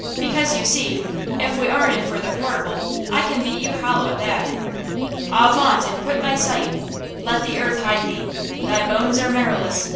"Because you see, if we are in for the horrible, I can beat you hollow at that!" "'Avaunt! and quit my sight! Let the earth hide thee! Thy bones are marrowless!